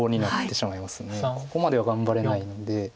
ここまでは頑張れないので。